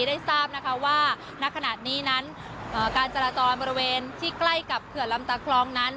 ได้ทราบนะคะว่าณขณะนี้นั้นการจราจรบริเวณที่ใกล้กับเขื่อนลำตาคลองนั้น